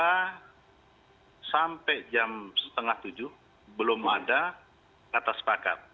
karena sampai jam setengah tujuh belum ada kata sepakat